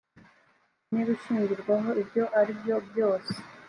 n ibishingirwaho ibyo ari byo byose